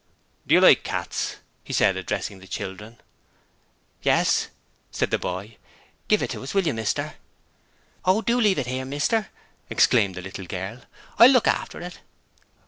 'Do you like cats?' he asked, addressing the children. 'Yes,' said the boy. 'Give it to us, will you, mister?' 'Oh, do leave it 'ere, mister,' exclaimed the little girl. 'I'll look after it.'